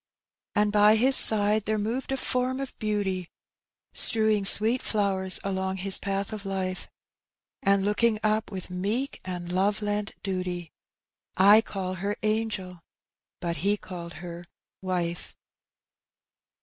««And bj his side there moved a form of beauty, Strewing sweet flowers along his path of life, And looking up with meek and love lent duty : I call her angel, but he called her wife.